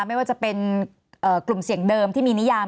ไม่ว่าจะเป็นกลุ่มเสี่ยงเดิมที่มีนิยาม